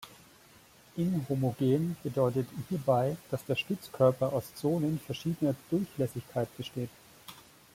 Inhomogen bedeutet hierbei, dass der Stützkörper aus Zonen verschiedener Durchlässigkeit besteht.